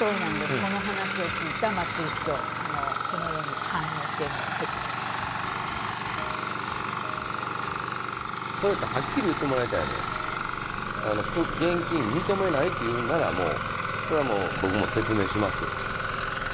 この話を聞いた松井市長、このように反応しているのが入ってきまそれだったらはっきり言ってもらいたいのよ、現金認めないというんなら、もう、それはもう、僕も説明します。